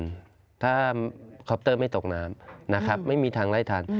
ถ้าคอปเตอร์ไม่ตกน้ำนะครับไม่มีทางไล่ทัน